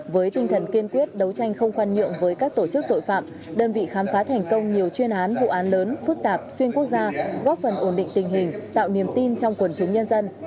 với tinh thần kiên quyết đấu tranh không khoan nhượng với các tổ chức tội phạm đơn vị khám phá thành công nhiều chuyên án vụ án lớn phức tạp xuyên quốc gia góp phần ổn định tình hình tạo niềm tin trong quần chúng nhân dân